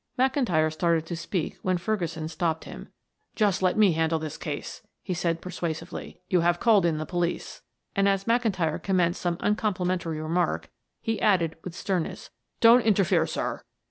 McIntyre started to speak when Ferguson stopped him. "Just let me handle this case," he said persuasively. "You have called in the police," and as McIntyre commenced some uncomplimentary remark, he added with sternness. "Don't interfere, sir.